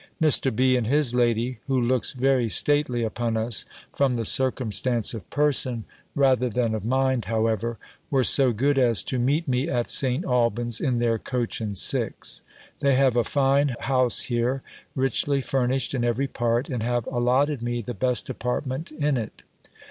Mr. B. and his lady, who looks very stately upon us (from the circumstance of person, rather than of mind, however), were so good as to meet me at St. Alban's, in their coach and six. They have a fine house here, richly furnished in every part, and have allotted me the best apartment in it.